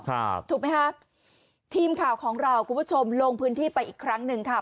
ถูกไหมฮะทีมข่าวของเราคุณผู้ชมลงพื้นที่ไปอีกครั้งหนึ่งค่ะ